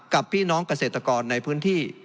กับพี่น้องเกษตรกรในพื้นที่